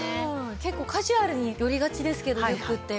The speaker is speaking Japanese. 結構カジュアルに寄りがちですけどリュックって。